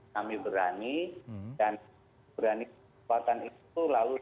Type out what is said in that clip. kami berani dan berani kekuatan itu lalu